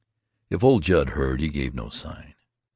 If old Judd heard, he gave no sign.